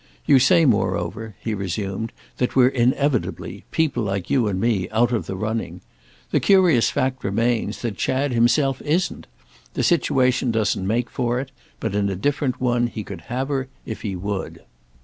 You say moreover," he resumed, "that we're inevitably, people like you and me, out of the running. The curious fact remains that Chad himself isn't. The situation doesn't make for it, but in a different one he could have her if he would."